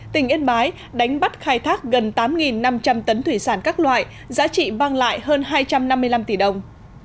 tỉnh yên bái đánh bắt khai thác gần tám năm trăm linh tấn thủy sản các loại giá trị vang lại hơn hai trăm năm mươi năm tỷ đồng